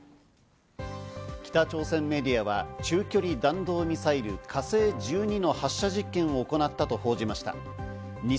北朝鮮メディアは中距離弾道ミサイル「火星１２」の発射実験を行ったと報じました。